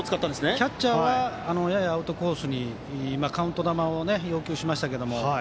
キャッチャーはややアウトコースにカウント球を要求しましたけども。